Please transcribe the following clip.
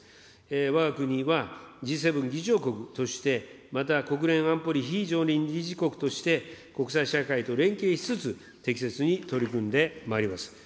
わが国はＧ７議長国としてまた国連安保理非常任理事国として、国際社会と連携しつつ、適切に取り組んでまいります。